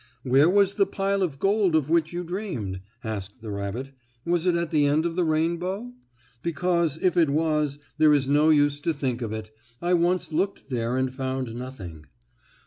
"Where was the pile of gold of which you dreamed?" asked the rabbit. "Was it at the end of the rainbow? Because, if it was, there is no use to think of it. I once looked there and found nothing."